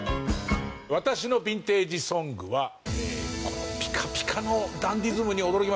私のヴィンテージ・ソングはピカピカのダンディズムに驚きました。